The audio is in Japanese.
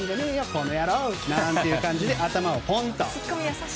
この野郎なんていう感じで頭をポンと。